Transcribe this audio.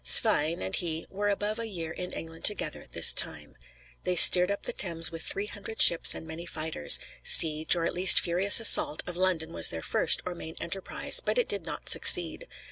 Svein and he "were above a year in England together," this time: they steered up the Thames with three hundred ships and many fighters; siege, or at least furious assault, of London was their first or main enterprise, but it did not succeed.